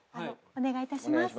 お願いいたします。